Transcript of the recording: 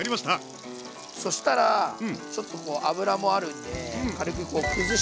そしたらちょっとこう脂もあるんで軽くこう崩して。